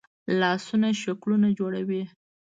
لاسونه شکلونه جوړوي